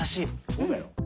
そうだよ。